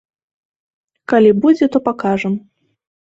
Калі будзе, то пакажам.